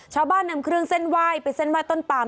ชาวบ้านนำเครื่องเส้นไหว้ไปเส้นไห้ต้นปาม